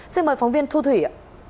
xin mời phóng viên thu thủy ạ